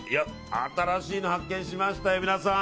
新しいの発見しましたよ、皆さん。